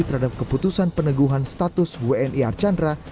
terhadap keputusan peneguhan status wni archandra